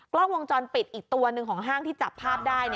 กล้องวงจรปิดอีกตัวหนึ่งของห้างที่จับภาพได้